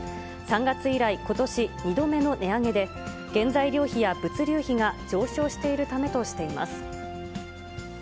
３月以来、ことし２度目の値上げで、原材料費や物流費が上昇しているためとしています。